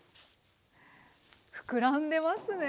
ふくらんでますね。